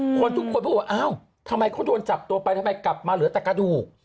คนทุกคนพูดว่าอ้าวทำไมเขาโดนจับตัวไปทำไมกลับมาเหลือแต่กระดูก